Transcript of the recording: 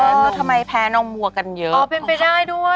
อ๋อแล้วทำไมแพ้นมหัวกันเยอะค่ะ